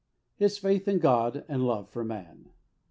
Ifis faith in God and love for man.